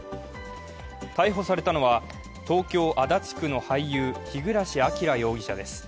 逮捕されたのは東京・足立区の俳優、日暮明容疑者です。